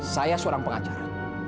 saya seorang pengacara